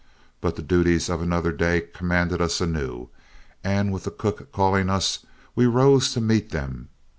But the duties of another day commanded us anew, and with the cook calling us, we rose to meet them.